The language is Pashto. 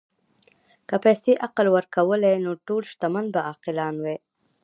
که پیسې عقل ورکولی، نو ټول شتمن به عاقلان وای.